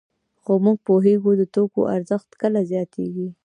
خو موږ پوهېږو د توکو ارزښت کله زیاتېږي